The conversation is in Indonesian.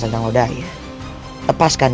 kau sudah menguasai ilmu karang